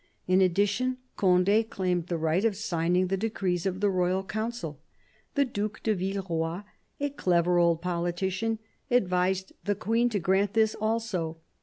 In addition, Conde claimed the right of signing the decrees of the Royal Council. The Due de Villeroy, a clever old politician, advised the Queen to grant this also.